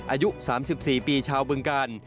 อายุ๓๔ปีชาวบึงกาล